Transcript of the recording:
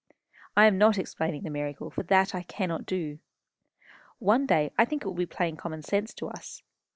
I am not explaining the miracle, for that I cannot do. One day I think it will be plain common sense to us.